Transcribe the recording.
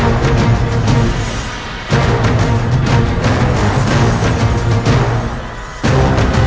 jangan lupa berhenti menipu